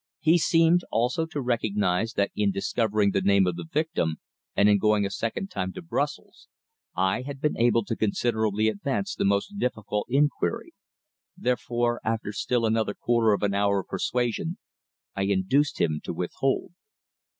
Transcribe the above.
He seemed, also, to recognise that in discovering the name of the victim and in going a second time to Brussels, I had been able to considerably advance the most difficult inquiry; therefore, after still another quarter of an hour of persuasion, I induced him to withhold.